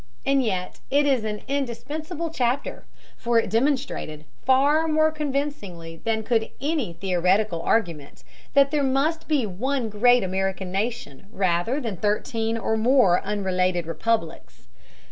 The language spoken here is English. And yet it is an indispensable chapter, for it demonstrated, far more convincingly than could any theoretical argument, that there must be one great American nation rather than thirteen or more unrelated republics.